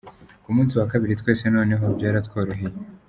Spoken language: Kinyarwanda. Ku munsi wa kabiri, twese noneho byaratworoyehe.